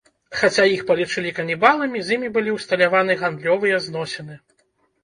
Хаця іх палічылі канібаламі, з імі былі ўсталяваны гандлёвыя зносіны.